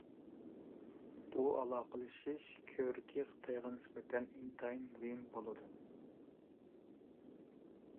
بۇ ئالاقىلىشىش كۆۋرۈكى خىتايغا نىسبەتەن ئىنتايىن مۇھىم بولىدۇ.